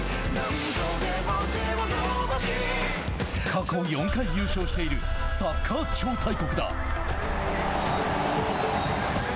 過去４回優勝しているサッカー超大国だ。